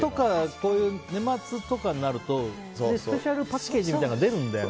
こういう年末とかになるとスペシャルパッケージみたいなのが出るんだよね。